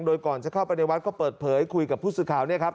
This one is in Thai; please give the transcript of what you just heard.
โดยก่อนจะเข้าไปในวัดก็เปิดเผยคุยกับผู้สื่อข่าวเนี่ยครับ